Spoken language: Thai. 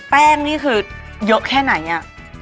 แป้งนี่คือเยอะแค่ไหน